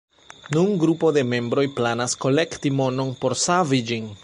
Nun grupo de membroj planas kolekti monon por savi ĝin.